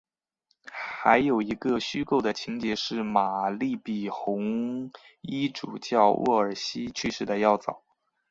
还有一个虚构的情节是玛丽比红衣主教沃尔西去世的要早。